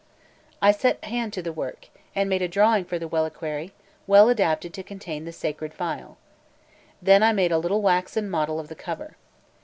I set hand to the work, and made a drawing for the reliquary, well adapted to contain the sacred phial. Then I made a little waxen model of the cover.